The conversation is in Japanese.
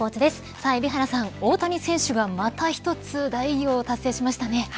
さあ海老原さん大谷選手がまた一つ大偉業を達成しましたね。